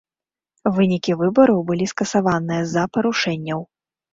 Вынікі выбараў былі скасаваныя з-за парушэнняў.